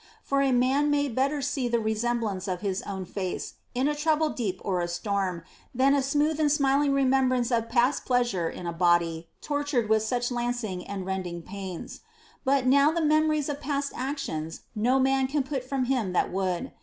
For a man may better see the resemblance of his own face in a troubled deep or a storm, than a smooth and smiling remembrance of past pleasure in a body tortured with such lancing and rending pains. But now the memories of past actions no man can put from him that would.